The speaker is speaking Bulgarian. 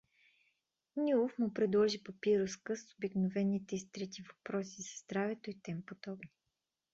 Нилов му предложи папироска с обикновените изтрити въпроси за здравето и тем подобни.